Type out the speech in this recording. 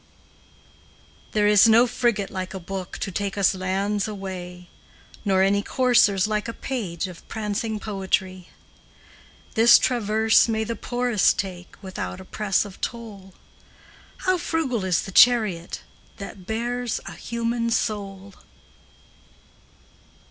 There is no frigate like a book To take us lands away, Nor any coursers like a page Of prancing poetry. This traverse may the poorest take Without oppress of toll; How frugal is the chariot That bears a human soul!